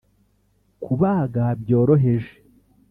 kubaga byoroheje